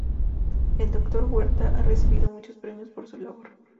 El Dr. Huerta, ha recibido muchos premios por su labor.